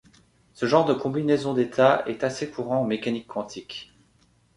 Ce genre de combinaisons d'états est assez courant en mécanique quantique.